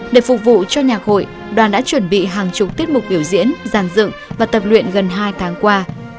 để phục vụ cho nhạc hội đoàn đã chuẩn bị hàng chục tiết mục biểu diễn giàn dựng và tập luyện gần hai tháng qua